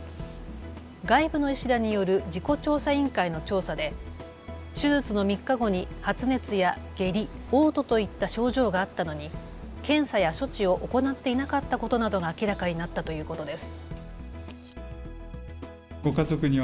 外部の医師らによる事故調査委員会の調査で手術の３日後に発熱や下痢、おう吐といった症状があったのに検査や処置を行っていなかったことなどが明らかになったということです。